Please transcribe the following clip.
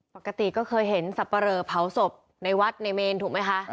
ปกติก็เคยเห็นสับปะเรอเผาศพในวัดในเมนถูกไหมคะ